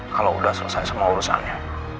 kalo udah selesai sama urusannya